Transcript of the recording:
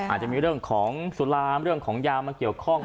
อาจจะมีเรื่องของสุรามเรื่องของยามาเกี่ยวข้อง